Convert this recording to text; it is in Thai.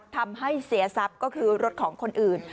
ทำให้เสียทรัพย์ก็คือรถของคนอื่น